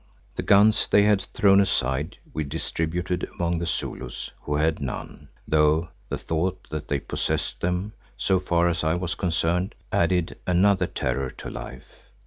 The guns they had thrown aside we distributed among the Zulus who had none, though the thought that they possessed them, so far as I was concerned, added another terror to life.